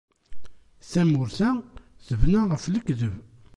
Tamurt-a tebna ɣef lekdeb.